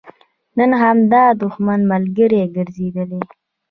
نن همدا دښمن ملګری ګرځېدلی.